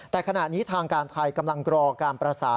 แต่ขณะนี้ทางการไทยกำลังรอการประสาน